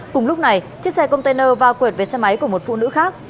cùng lúc này chiếc xe container va quyệt về xe máy của một phụ nữ khác